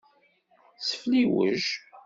Sefliwej.